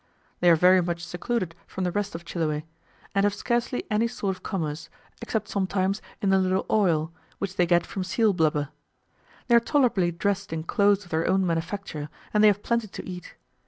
They are very much secluded from the rest of Chiloe, and have scarcely any sort of commerce, except sometimes in a little oil, which they get from seal blubber. They are tolerably dressed in clothes of their own manufacture, and they have plenty to eat.